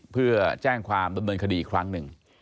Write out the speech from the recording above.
เพื่อแจ้งความดำเนินคดีอีกครั้งหนึ่ง